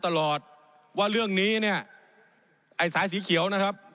ผมอภิปรายเรื่องการขยายสมภาษณ์รถไฟฟ้าสายสีเขียวนะครับ